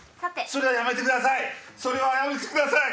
それはやめてください！